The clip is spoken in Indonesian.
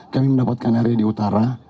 kami mendapatkan ri di utara